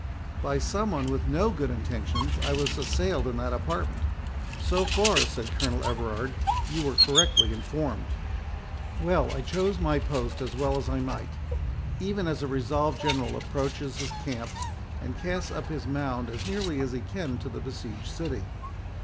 "By some one with no good intentions I was assailed in that apartment. So far," said Colonel Everard, "you were correctly informed." "Well, I chose my post as well as I might, even as a resolved general approaches his camp, and casts up his mound as nearly as he can to the besieged city.